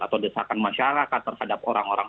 atau desakan masyarakat terhadap orang orang